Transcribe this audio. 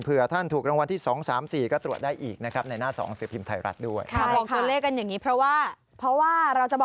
เผื่อท่านถูกรางวัลที่๒๓๔ก็ตรวจได้อีกนะครับ